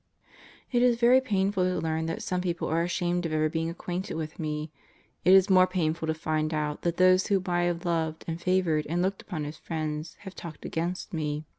... It is very painful to learn that some people are ashamed of ever being acquainted with me. It is more painful to find out that those whom I have loved and favored and looked upon as friends, have talked against me.